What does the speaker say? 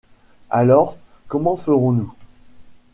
Alors comment ferons-nous?